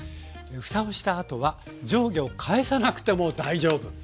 ふたをしたあとは上下を返さなくても大丈夫。